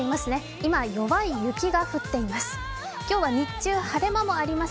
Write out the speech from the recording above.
今、弱い雪が降っています。